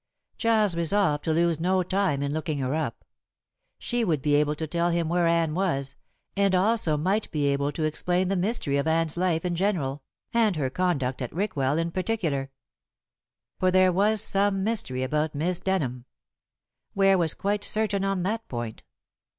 Giles resolved to lose no time in looking her up. She would be able to tell him where Anne was, and also might be able to explain the mystery of Anne's life in general, and her conduct at Rickwell in particular. For there was some mystery about Miss Denham. Ware was quite certain on that point.